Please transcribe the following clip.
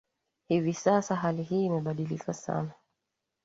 Hivi sasa hali hii imebadilika sana